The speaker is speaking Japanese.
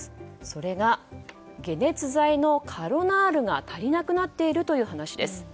それが、解熱剤のカロナールが足りなくなっているという話です。